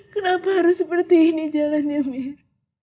kenapa harus seperti ini jalannya mir